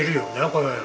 これ。